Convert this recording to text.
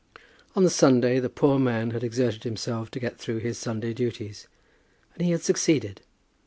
On the Sunday the poor man had exerted himself to get through his Sunday duties, and he had succeeded.